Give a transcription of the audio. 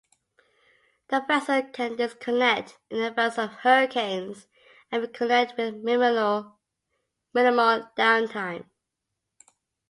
The vessel can disconnect in advance of hurricanes and reconnect with minimal down time.